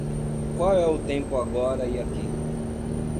Qual é o tempo agora e aqui?